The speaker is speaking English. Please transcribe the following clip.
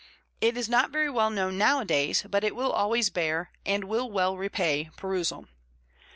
It is not very well known nowadays, but it will always bear, and will well repay, perusal.